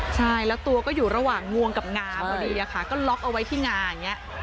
ใช่แล้วตัวก็อยู่ระหว่างงวงกับงาพอดีค่ะก็ล็อกเอาไว้ที่งาอย่างนี้